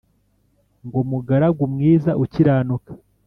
Ngo mugaragu mwiz’ ukiranuka